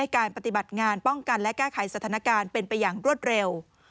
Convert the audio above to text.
การปฏิบัติงานป้องกันและแก้ไขสถานการณ์เป็นไปอย่างรวดเร็ว